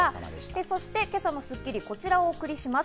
そして今朝の『スッキリ』こちらをお送りします。